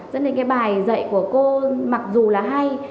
rất là cái bài dạy của cô mặc dù là hay